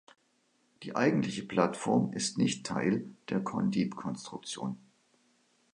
Die eigentliche Plattform ist nicht Teil der Condeep-Konstruktion.